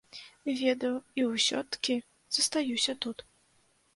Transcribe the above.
Ведаю, і ўсё-ткі застаюся тут.